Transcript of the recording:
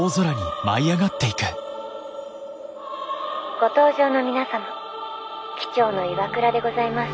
「ご搭乗の皆様機長の岩倉でございます。